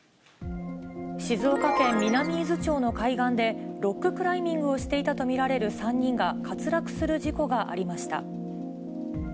静岡県南伊豆町の海岸で、ロッククライミングをしていたと見られる３人が滑落する事故がありました。